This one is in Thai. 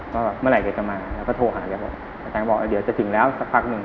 ว่าแบบเมื่อไหร่เกิดจะมาแล้วก็โทรหาแกบอกอาจารย์ก็บอกว่าเดี๋ยวจะถึงแล้วสักพักหนึ่ง